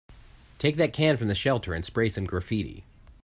Take that can from the shelter and spray some graffiti.